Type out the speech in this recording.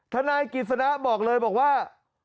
ท่านนายกิจสนะบอกเลยว่า